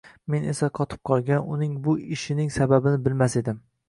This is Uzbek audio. Men esa, qotib qolgan, uning bu ishining sababini bilmas edim